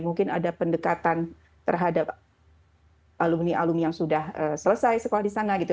mungkin ada pendekatan terhadap alumni alumni yang sudah selesai sekolah di sana gitu